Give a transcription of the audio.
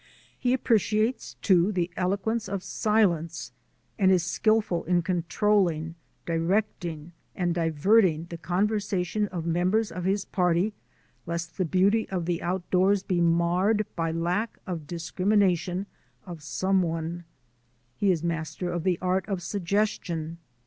He appreciates, too, the eloquence of silence and is skilful in controlling, directing, and diverting the conversation of members of his party lest the beauty of the outdoors be marred by lack of discrimination of some one. He is master of the art of suggestion.